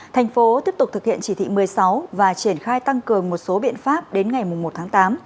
thành phố tiếp tục thực hiện chỉ thị một mươi sáu và triển khai tăng cường một số biện pháp đến ngày một tháng tám